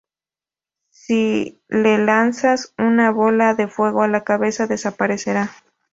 Si le lanzas una bola de fuego a la cabeza, desaparecerá.